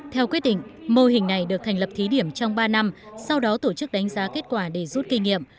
theo quyết định mô hình này được thành lập thí điểm trong ba năm sau đó tổ chức đánh giá kết quả để rút kinh nghiệm